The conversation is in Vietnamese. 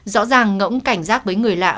rõ ràng ngỗng cảnh giác với người lạ